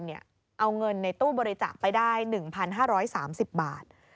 เอาเงินในตู้บริจาคไปได้๑๕๓๐บาท